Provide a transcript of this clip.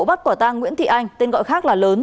bắt quả tang nguyễn thị anh tên gọi khác là lớn